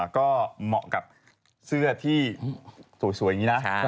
ก็เหมาะกับเสื้อที่สวยอย่างนี้นะ